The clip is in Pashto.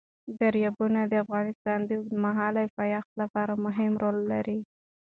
دریابونه د افغانستان د اوږدمهاله پایښت لپاره مهم رول لري.